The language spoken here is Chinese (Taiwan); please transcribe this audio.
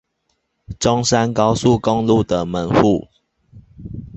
中山高速公路的門戶